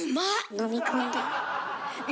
飲み込んだ。